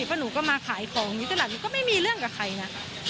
เพราะหนูก็มาขายของอยู่ตลาดหนูก็ไม่มีเรื่องกับใครนะ